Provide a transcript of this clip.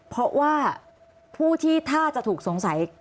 เพราะว่าผู้ที่ถ้าจะถูกสงสัย